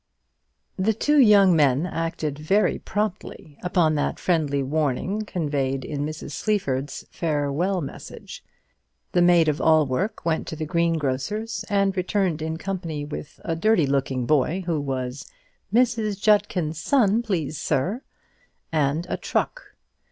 The two young men acted very promptly upon that friendly warning conveyed in Mrs. Sleaford's farewell message. The maid of all work went to the greengrocer's, and returned in company with a dirty looking boy who was "Mrs. Judkin's son, please, sir" and a truck.